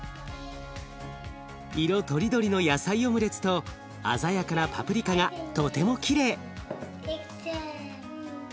色とりどりの野菜オムレツと鮮やかなパプリカがとてもきれい。